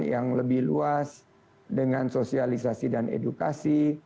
yang lebih luas dengan sosialisasi dan edukasi